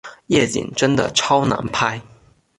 夜景真的超难拍